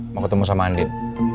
mau ketemu sama andin